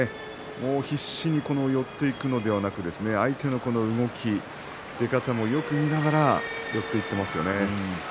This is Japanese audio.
もう必死に寄っていくのではなくて相手の動き出方もよく見えながら寄っていってますね。